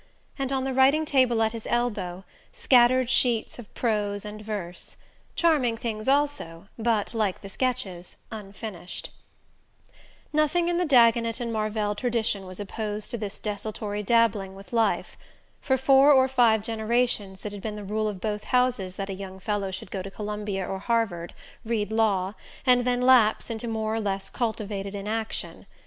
and, on the writing table at his elbow, scattered sheets of prose and verse; charming things also, but, like the sketches, unfinished. Nothing in the Dagonet and Marvell tradition was opposed to this desultory dabbling with life. For four or five generations it had been the rule of both houses that a young fellow should go to Columbia or Harvard, read law, and then lapse into more or less cultivated inaction.